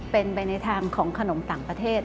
เป็นไปในทางของขนมต่างประเทศ